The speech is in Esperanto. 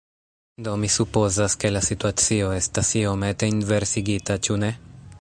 Do mi supozas ke la situacio estas iomete inversigita ĉu ne?